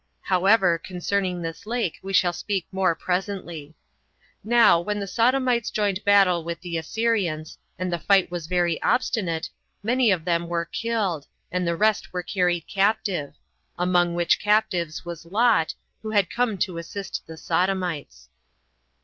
However, concerning this lake we shall speak more presently. Now when the Sodomites joined battle with the Assyrians, and the fight was very obstinate, many of them were killed, and the rest were carried captive; among which captives was Lot, who had come to assist the Sodomites.